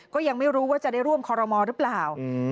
ก็ยังไม่รู้ว่าจะได้ร่วมคอรมอลหรือเปล่า